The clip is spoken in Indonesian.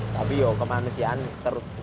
tapi ya kemanusiaan terutama